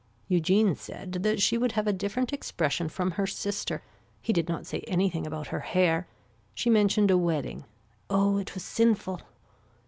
Eugene said that she would have a different expression from her sister. He did not say anything about her hair. She mentioned a wedding. Oh it was sinful.